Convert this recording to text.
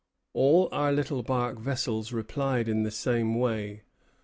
All our little bark vessels replied in the same way.